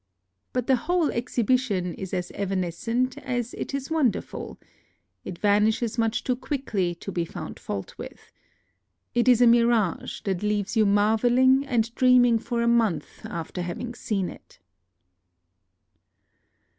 But the whole exhibition is as evanescent as it is wonderful. It vanishes much too quickly to be found fault with. It is a mirage that leaves you marveling and dreaming for a month after having seen it.